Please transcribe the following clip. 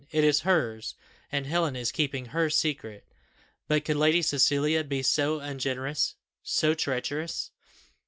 It is hers, and Helen is keeping her secret: but could Lady Cecilia be so ungenerous so treacherous?"